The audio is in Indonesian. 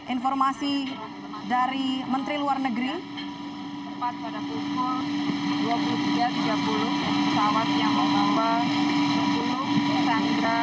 informasi dari menteri luar negeri tepat pada pukul dua puluh tiga tiga puluh pesawat yang membawa sepuluh sandra